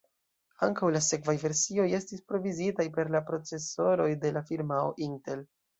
Ankaŭ la sekvaj versioj estis provizitaj per la procesoroj de la firmao Intel.